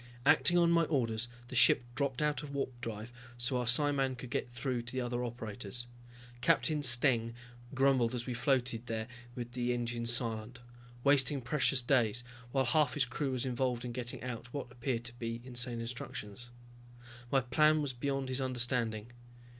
Acting on my orders the ship dropped out of warpdrive so our psiman could get through to the other operators. Captain Steng grumbled as we floated there with the engines silent, wasting precious days, while half his crew was involved in getting out what appeared to be insane instructions. My plan was beyond his understanding.